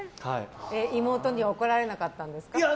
妹に怒られなかったんですか？